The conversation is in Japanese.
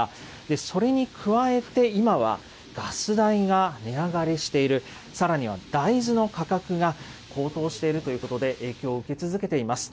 それに加えて今はガス代が値上がりしている、さらには大豆の価格が高騰しているということで影響を受け続けています。